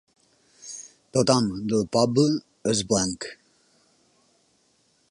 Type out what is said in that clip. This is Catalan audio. Tothom del poble és blanc.